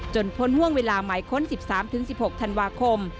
พ้นห่วงเวลาหมายค้น๑๓๑๖ธันวาคม